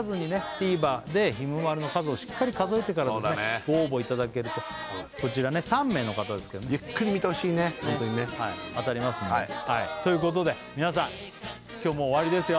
ＴＶｅｒでひむまるの数をしっかり数えてからですねご応募いただけるとこちらね３名の方ですけどねゆっくり見てほしいね当たりますんでということで皆さん今日もう終わりですよ